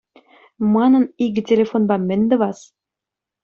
Манӑн икӗ телефонпа мӗн тӑвас?